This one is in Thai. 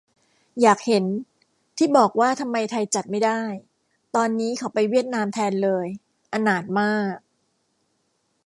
อยากเห็น ที่บอกว่าทำไมไทยจัดไม่ได้ ตอนนี้เขาไปเวียดนามแทนเลย อนาถมาก